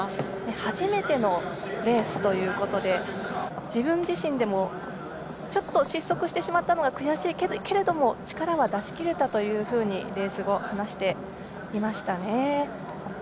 初めてのレースということで自分自身でもちょっと失速してしまったのが悔しいけれども力は出し切れたというふうにレース後話していましたね。